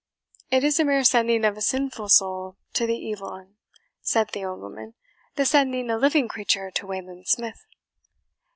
"It is a mere sending of a sinful soul to the evil un," said the old woman, "the sending a living creature to Wayland Smith."